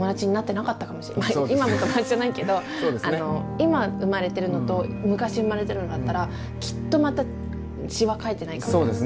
今生まれてるのと昔生まれてるのだったらきっとまた詩は書いてないかもしれない。